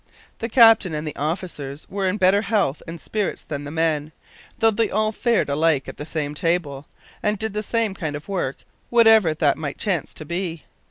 The captain and officers were in better health and spirits than the men, though they all fared alike at the same table, and did the same kind of work, whatever that might chance to be.